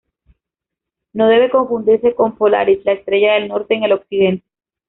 No debe confundirse con Polaris, la estrella del norte en el occidente.